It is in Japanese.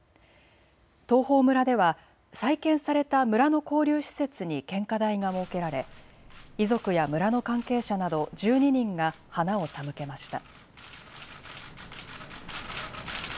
東峰村では再建された村の交流施設に献花台が設けられ遺族や村の関係者など１２人が花を手向けました。